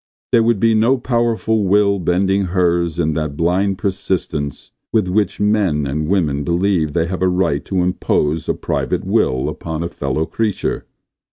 There would be no powerful will bending hers in that blind persistence with which men and women believe they have a right to impose a private will upon a fellow creature.